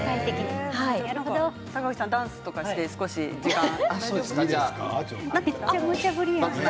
坂口さん、ダンスとかして少し時間を。